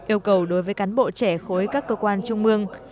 yêu cầu đối với cán bộ trẻ khối các cơ quan trung mương